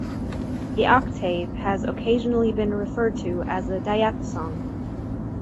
The octave has occasionally been referred to as a diapason.